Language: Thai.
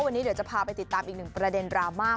วันนี้เดี๋ยวจะพาไปติดตามอีกหนึ่งประเด็นดราม่า